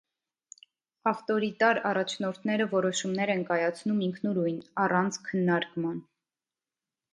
Ավտորիտար առաջնորդները որոշումներ են կայացնում ինքնուրույն՝ առանց քննարկման։